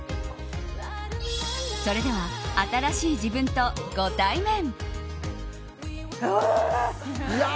それでは、新しい自分とご対面。